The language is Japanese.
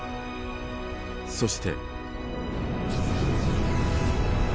そして。